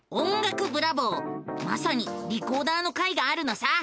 まさにリコーダーの回があるのさ！